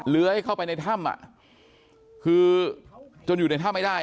เลื้อยเข้าไปในถ้ำอ่ะคือจนอยู่ในถ้ำไม่ได้